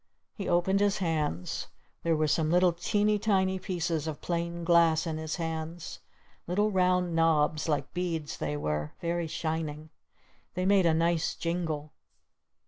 He opened his hands. There were some little teeny tiny pieces of plain glass in his hands. Little round knobs like beads they were. Very shining. They made a nice jingle.